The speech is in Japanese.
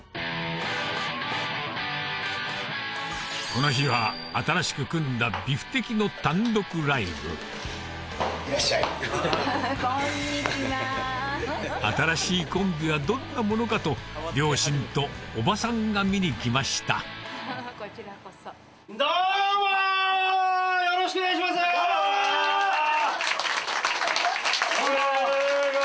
この日は新しく組んだ新しいコンビはどんなものかと両親と叔母さんが見に来ましたどうも！